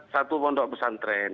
satu pondok pesantren